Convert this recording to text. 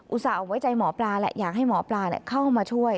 อุตส่าห์เอาไว้ใจหมอปลาแหละอยากให้หมอปลาเนี้ยเข้ามาช่วย